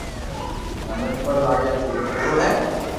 مني تو ڪوئي لاگي تو تو ڪوڙو ھي